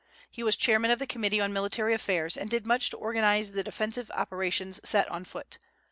He was chairman of the Committee on Military Affairs, and did much to organize the defensive operations set on foot.